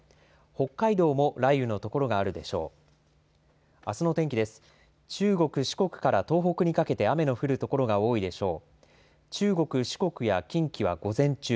北海道も雷雨の所があるでしょう。